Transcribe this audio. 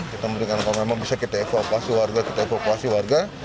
kita memberikan kalau memang bisa kita evakuasi warga kita evakuasi warga